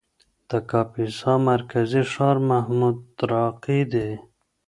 د کاپیسا مرکزي ښار محمودراقي دی.